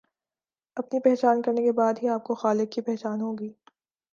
اپنی پہچان کرنے کے بعد ہی آپ کو خالق کی پہچان ہوگی